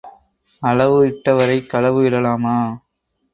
அளவு இட்டவரைக் களவு இடலாமா?